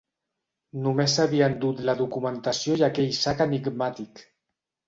Només s'havia endut la documentació i aquell sac enigmàtic.